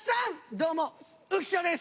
どうも浮所です。